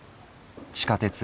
地下鉄